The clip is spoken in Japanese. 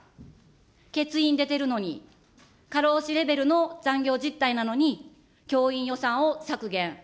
欠員出てるのに、過労死レベルの残業実態なのに、教員予算を削減。